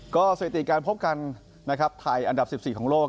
ก็สถิติการพบกันนะครับไทยอันดับ๑๔ของโลก